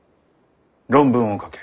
論文を書け。